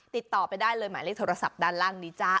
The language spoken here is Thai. ติดต่อไปได้เลยหมายเลขโทรศัพท์ด้านล่างนี้จ้า